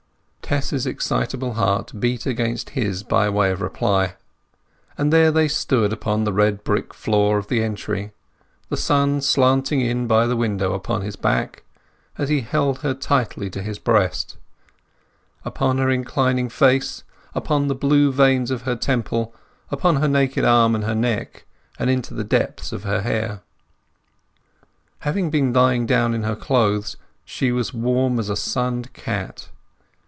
Tess's excitable heart beat against his by way of reply; and there they stood upon the red brick floor of the entry, the sun slanting in by the window upon his back, as he held her tightly to his breast; upon her inclining face, upon the blue veins of her temple, upon her naked arm, and her neck, and into the depths of her hair. Having been lying down in her clothes she was warm as a sunned cat.